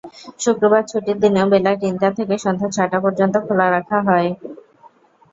শুক্রবার ছুটির দিনেও বেলা তিনটা থেকে সন্ধ্যা ছয়টা পর্যন্ত খোলা রাখা হয়।